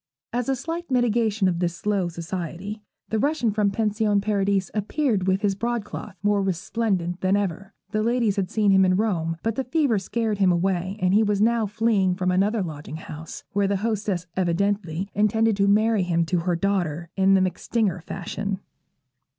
As a slight mitigation of this slow society, the Russian from Pension Paradis appeared with his broadcloth more resplendent than ever. The ladies had seen him in Rome; but the fever scared him away, and he was now fleeing from another lodging house, where the hostess evidently intended to marry him to her daughter, in the MacStinger fashion.